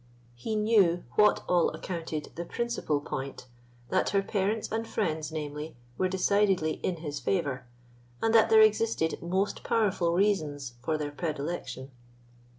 He knew what all accounted the principal point, that her parents and friends, namely, were decidedly in his favour, and that there existed most powerful reasons for their predilection.